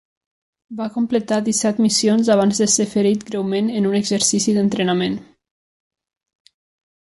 Va completar disset missions abans de ser ferit greument en un exercici d'entrenament.